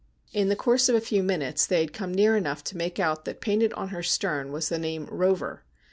In the course of a few minutes they had come near enough to make out that painted on her stern was the name ' Eover.'